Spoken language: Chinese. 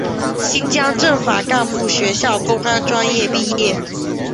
新疆政法干部学校公安专业毕业。